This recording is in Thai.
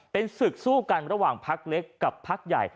เป็นศึกสู้กันระหว่างพักเล็กกับพักใหญ่